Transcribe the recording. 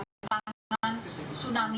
mungkin di bangunan mungkin seperti apa bu